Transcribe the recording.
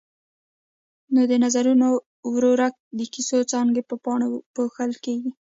نو د نظرګي ورورک د کیسو څانګې په پاڼو پوښل کېږي.